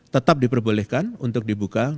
tetap diperbolehkan untuk dibuka